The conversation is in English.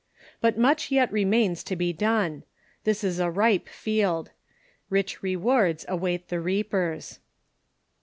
But much yet remains to be done. This is a ripe field. Rich rewards await the reapers.